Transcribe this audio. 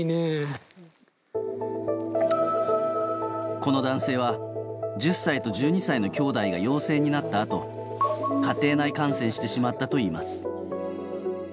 この男性は、１０歳と１２歳のきょうだいが陽性になったあと家庭内感染してしまったといいます。